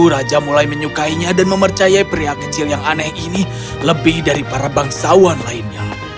raja mulai menyukainya dan mempercaya pria kecil yang aneh ini lebih dari para bangsawan lainnya